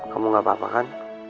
kamu gak apa apa kan